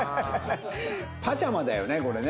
パジャマだよねこれね。